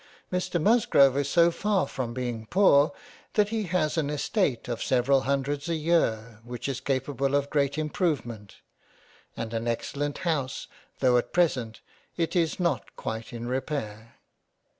Mr Mus grove is so far from being poor that he has an estate of several hundreds an year which is capable of great Improvement, and an excellent House, though at present it is not quite in repair."